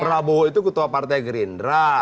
prabowo itu ketua partai gerindra